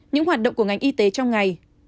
những hoạt động của ngành y tế trong ngày